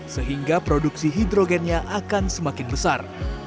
sehingga produksi hidrogennya akan semakin besar